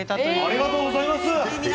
ありがとうございます。